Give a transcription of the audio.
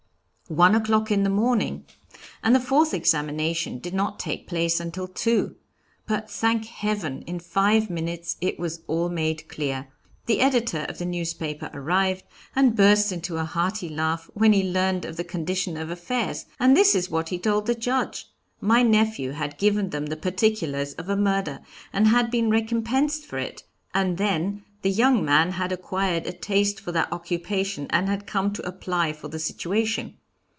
"One o'clock in the morning; and the fourth examination did not take place until two. But, thank Heaven! in five minutes it was all made clear. The editor of the newspaper arrived, and burst into a hearty laugh when he learned of the condition of affairs; and this is what he told the Judge. My nephew had given them the particulars of a murder, and had been recompensed for it, and then the young man had acquired a taste for that occupation, and had come to apply for the situation.